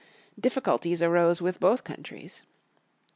Difficulties arose with both countries.